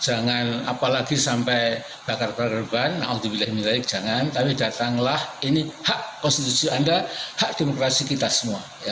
apalagi sampai bakar pererban tapi datanglah ini hak konstitusi anda hak demokrasi kita semua